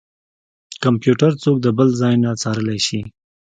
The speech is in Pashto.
کمپيوټر څوک د بل ځای نه څارلی شي.